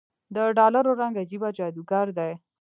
دډالرو رنګ عجيبه جادوګر دی